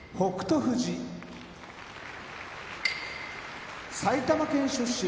富士埼玉県出身